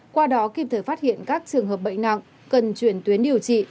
qua đó kịp thời phát hiện các trường hợp bệnh nặng cần chuyển tuyến điều trị